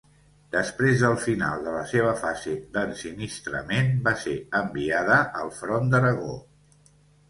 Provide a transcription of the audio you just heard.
Després del final de la seva fase d'ensinistrament va ser enviada al front d'Aragó.